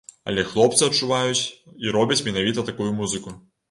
Але хлопцы адчуваюць і робяць менавіта такую музыку.